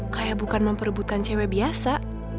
kayak bukan memperebutkan cewek biasa